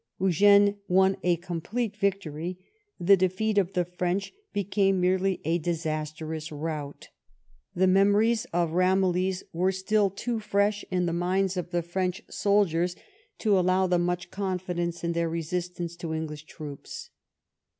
Eugene won a complete vic tory; the defeat of the French became merely a dis astrous rout. The memories of Ramillies were still too fresh in the minds of the French soldiers to allow them much confidence in their resistance to English troops.